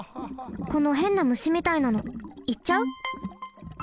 このへんなむしみたいなのいっちゃう？